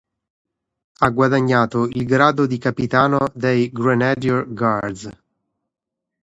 Ha guadagnato il grado di capitano dei Grenadier Guards.